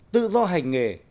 tự do hành nghề